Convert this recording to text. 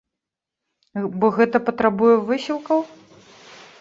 Бо гэта патрабуе высілкаў?